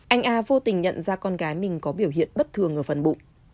anh a vô tình nhận ra con gái mình có biểu hiện bất thường ở phần bụng